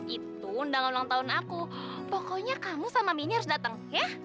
itu undang undang tahun aku pokoknya kamu sama mini harus datang ya